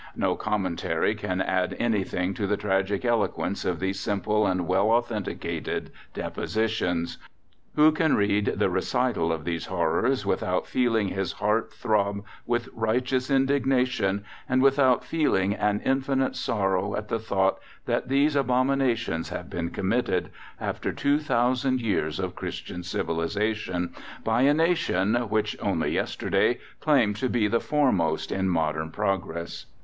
No commentary can add anything to the tragic eloquence of these simple and well authenticated depositions. Who can read the recital of these horrors without feeling his heart throb with righteous indignation, and without feeling an infinite sorrow at the thought that these abominations have been committed, after two thousand years of Christian civilization, by a nation which, only yesterday, claimed to be the foremost in modern Progress.